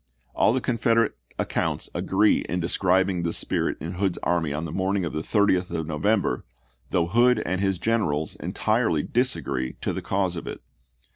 All the Confederate accounts agree in describing this spirit in Hood's army on the morning of the 30th of November, though Hood and his generals entirely disagree as to the cause of it.